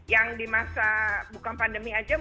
yang di masa bukan pandemi aja